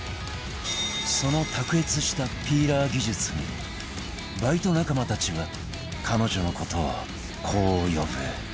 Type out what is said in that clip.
その卓越したピーラー技術にバイト仲間たちは彼女の事をこう呼ぶ